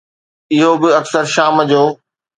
اهو به اڪثر شام جو.